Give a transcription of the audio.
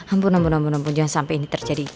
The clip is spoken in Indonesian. ampun ampun ampun ampun jangan sampai ini terjadi